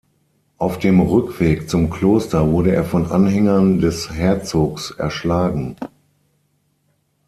Auf dem Rückweg zum Kloster wurde er von Anhängern des Herzogs erschlagen.